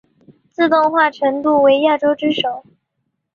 自动化程度为亚洲之首。